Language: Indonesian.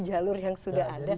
jalur yang sudah ada